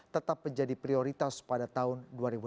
tetap menjadi prioritas pada tahun dua ribu delapan belas